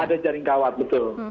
ada jaring kawat betul